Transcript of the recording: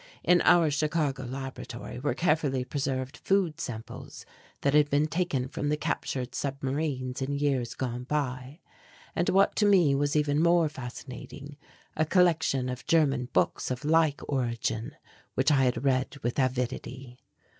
In our Chicago laboratory were carefully preserved food samples that had been taken from the captured submarines in years gone by; and what to me was even more fascinating, a collection of German books of like origin, which I had read with avidity.